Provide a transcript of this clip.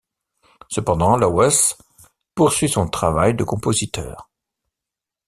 Cependant Lawes poursuit son travail de compositeur.